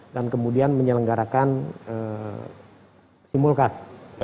dan kemudian menyelenggarakan simulkas